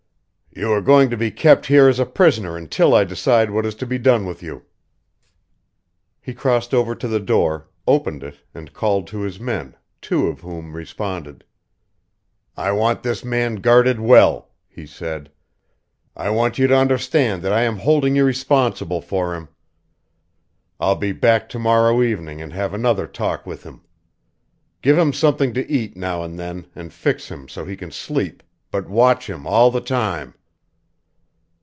"You are going to be kept here as a prisoner until I decide what is to be done with you." He crossed over to the door, opened it, and called to his men, two of whom responded. "I want this man guarded well," he said. "I want you to understand that I am holding you responsible for him. I'll be back to morrow evening and have another talk with him. Give him something to eat now and then, and fix him so he can sleep, but watch him all the time!"